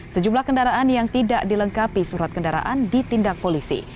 sejumlah kendaraan yang tidak dilengkapi surat kendaraan ditindak polisi